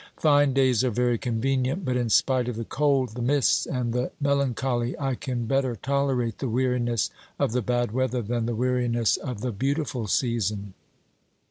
Fine days are very convenient, but in spite of the cold, the mists and the melancholy I can better tolerate the weariness of the bad weather than the weariness of the beautiful season.